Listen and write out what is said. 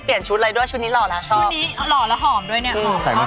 ไปเจอในเฟซเนี่ยแหละใช่เพื่อนของเพื่อนเย้โอ๊ยชมกันเลยชม